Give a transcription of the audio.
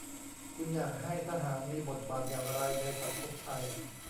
คุณอยากให้ทหาร มีบทบาทอย่างไร ในสังคมไทย ?